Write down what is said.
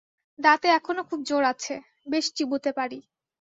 দাঁতে এখনও খুব জোর আছে, বেশ চিবুতে পারি।